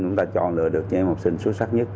chúng ta chọn lựa được các em học sinh xuất sắc nhất